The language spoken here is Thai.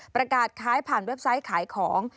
ประกาศขายผ่านเว็บไซต์ขายของ